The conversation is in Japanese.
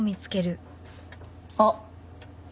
あっ！